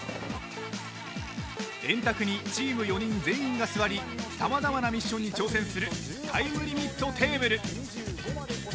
円卓にチーム４人全員が座りさまざまなミッションに挑戦するタイムリミットテーブル。